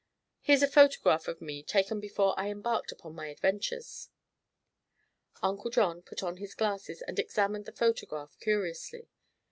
"Here is a photograph of me, taken before I embarked upon my adventures." Uncle John put on his glasses and examined the photograph curiously.